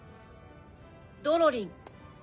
ドロリン。